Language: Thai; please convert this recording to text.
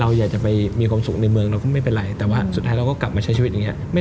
อันนี้นึงนี่สนใจก็ได้